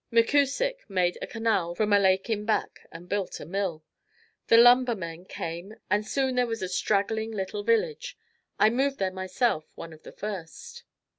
McCusick made a canal from a lake in back and built a mill. The lumbermen came and soon there was a straggling little village. I moved there myself one of the first.